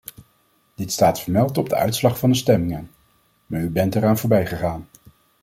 Dit staat vermeld op de uitslag van de stemmingen, maar u bent eraan voorbijgegaan.